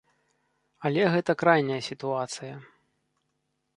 Але гэта крайняя сітуацыя.